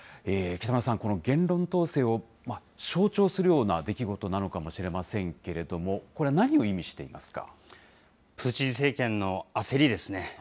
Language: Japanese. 北村さん、この言論統制を象徴するような出来事なのかもしれませんけれども、これは何を意味してプーチン政権の焦りですね。